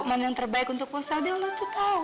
mana yang terbaik untuk posade allah tuh tau